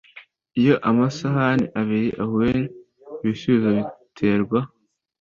Iyo amasahani abiri ahuye ibisubizo biterwa